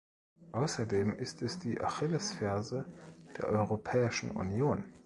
Außerdem ist es die Achillesferse der Europäischen Union.